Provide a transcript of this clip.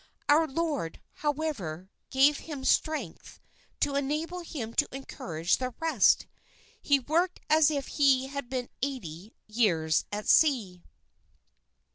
Our Lord, however, gave him strength to enable him to encourage the rest. He worked as if he had been eighty years at sea."